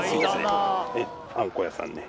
あんこ屋さんね